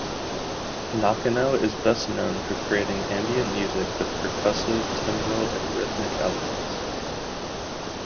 Nakano is best known for creating ambient music with percussive, timbral, and rhythmic elements.